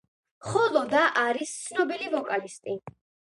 ხოლო და არის ცნობილი ვოკალისტი.